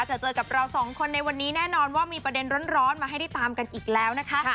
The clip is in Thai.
เจอเจอกับเราสองคนในวันนี้แน่นอนว่ามีประเด็นร้อนมาให้ได้ตามกันอีกแล้วนะคะ